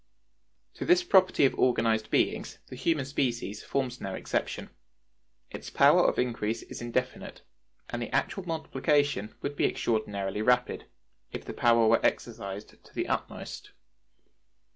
To this property of organized beings, the human species forms no exception. Its power of increase is indefinite, and the actual multiplication would be extraordinarily rapid, if the power were exercised to the utmost.